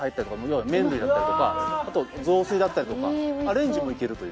要は麺類だったりとかあと雑炊だったりとかアレンジもいけるというね。